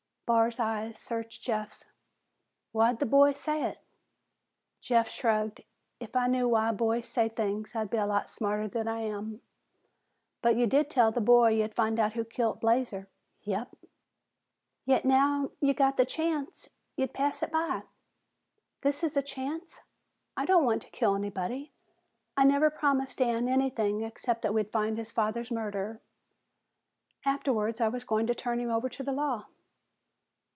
Barr's eyes searched Jeff's. "Why'd the boy say it?" Jeff shrugged. "If I knew why boys say things, I'd be a lot smarter than I am." "But ya did tell the boy ya'd find out who kil't Blazer?" "Yup." "Yet, now ye got the chanst, you'd pass it by?" "This is a chance? I don't want to kill anybody. I never promised Dan anything except that we'd find his father's murderer. Afterwards I was going to turn him over to the law."